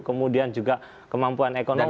kemudian juga kemampuan ekonomi